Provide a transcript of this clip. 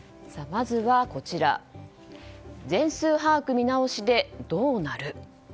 まずは全数把握見直しでどうなる？